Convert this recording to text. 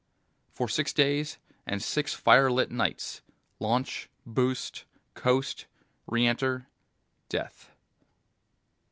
For six days and six firelit nights. Launch, boost, coast, re enter, death.